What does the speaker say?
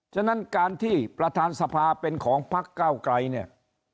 ฉะนั้นการที่ประธานสภาเป็นของพักเก้าไกรเนี่ย